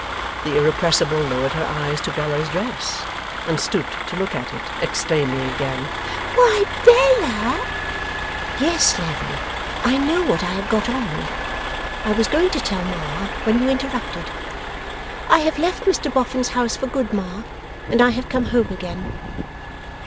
The Irrepressible lowered her eyes to Bella's dress, and stooped to look at it, exclaiming again: 'Why, Bella!' 'Yes, Lavvy, I know what I have got on. I was going to tell Ma when you interrupted. I have left Mr Boffin's house for good, Ma, and I have come home again.